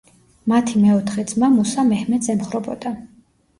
მათი მეოთხე ძმა, მუსა მეჰმედს ემხრობოდა.